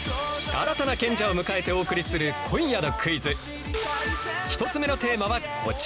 新たな賢者を迎えてお送りする今夜のクイズ１つ目のテーマはこちら。